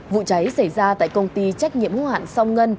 vụ cháy xảy ra tại công ty trách nhiệm hữu hạn song ngân